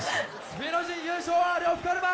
「冬ノ陣優勝は呂布カルマ」